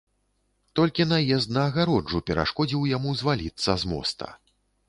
Толькі наезд на агароджу перашкодзіў яму зваліцца з моста.